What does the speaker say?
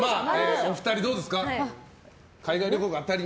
お二人、どうですか？